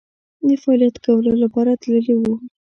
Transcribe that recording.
د فعالیت کولو لپاره تللي وو.